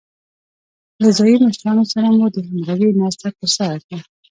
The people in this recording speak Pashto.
له ځايي مشرانو سره مو د همغږۍ ناسته ترسره کړه.